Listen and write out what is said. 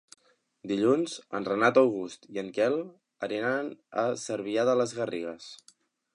Dilluns en Renat August i en Quel aniran a Cervià de les Garrigues.